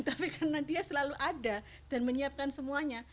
tapi karena dia selalu ada dan menyiapkan semuanya